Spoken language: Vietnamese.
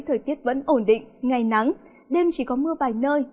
thời tiết vẫn ổn định ngày nắng đêm chỉ có mưa vài nơi